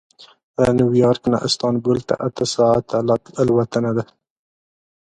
له نیویارک نه استانبول ته اته ساعته الوتنه ده.